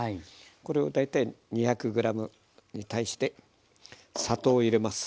これを大体２００ｇに対して砂糖を入れます。